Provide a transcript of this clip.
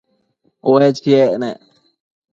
Ue chiec nec